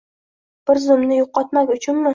Bir zumda yoʻqotmak uchunmi?